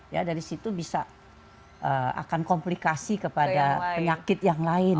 ya dari situ bisa akan komplikasi kepada penyakit yang lain